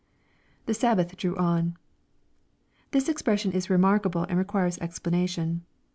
[The Sabbath drew on,] This expression is remarkable, and re quires explanation.